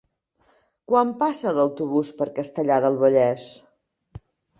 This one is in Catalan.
Quan passa l'autobús per Castellar del Vallès?